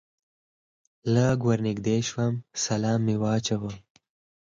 لږ ور نږدې شوم سلام مې واچاوه.